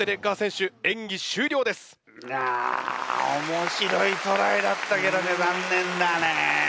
面白いトライだったけどね残念だね。